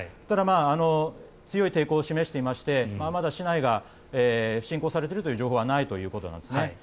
ただ、強い抵抗を示していましてまだ市内が侵攻されているという情報はないということです。